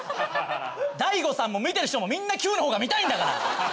大悟さんも見てる人もみんなキュウのほうが見たいんだから！